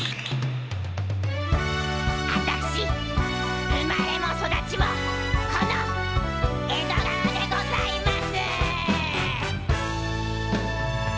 あたし生まれも育ちもこの江戸川でございます。